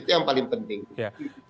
itu yang paling penting